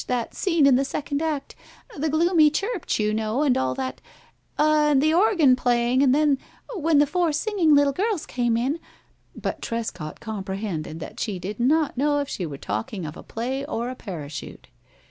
That scene in the second act the gloomy church, you know, and all that and the organ playing and then when the four singing little girls came in " But Trescott comprehended that she did not know if she was talking of a play or a parachute.